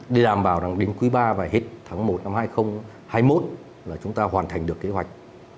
để đảm bảo đến quý ba và hết tháng một năm hai nghìn hai mươi một là chúng ta hoàn thành được kế hoạch hai nghìn hai mươi